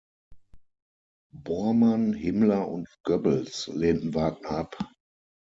Bormann, Himmler und Goebbels lehnten Wagner ab.